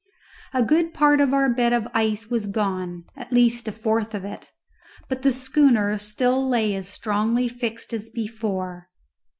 A good part of our bed of ice was gone, at least a fourth of it; but the schooner still lay as strongly fixed as before.